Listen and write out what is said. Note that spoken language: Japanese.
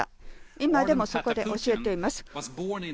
今でもそこで教えています。